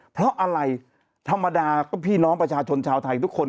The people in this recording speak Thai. เพราะอะไรธรรมดาก็พี่น้องประชาชนชาวไทยทุกคน